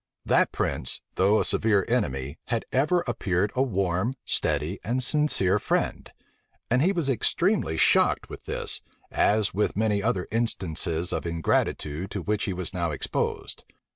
That prince, though a severe enemy, had ever appeared a warm, steady, and sincere friend; and he was extremely shocked with this, as with many other instances of ingratitude to which he was now exposed.